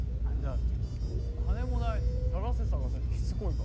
だってお金もないのに探せ探せってしつこいから。